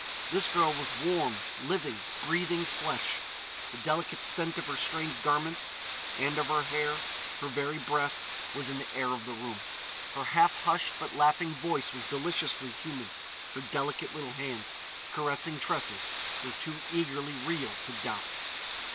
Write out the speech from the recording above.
This girl was warm, living, breathing flesh. The delicate scent of her strange garments and of her hair, her very breath, was in the air of the room. Her half hushed but laughing voice was deliciously human; her delicate little hands, caressing Tressa's, were too eagerly real to doubt.